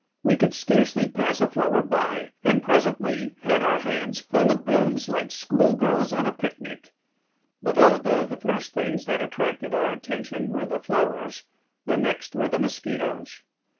We could scarcely pass a flower by, and presently had our hands full of blooms like schoolgirls on a picnic. But although the first things that attracted our attention were the flowers, the next were the mosquitoes.